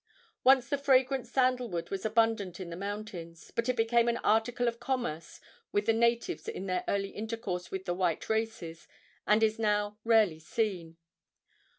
Once the fragrant sandal wood was abundant in the mountains, but it became an article of commerce with the natives in their early intercourse with the white races, and is now rarely seen.